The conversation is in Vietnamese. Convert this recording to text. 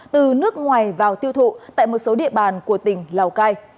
từ nước ngoài vào tiêu thụ tại một số địa bàn của tỉnh lào cai